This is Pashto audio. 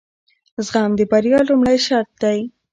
زغم د بریا لومړی شرط دی.